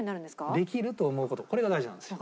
できると思う事これが大事なんですよ。